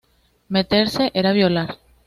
Meterse era violar".